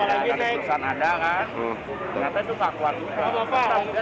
ada kan nanti itu tak kuat juga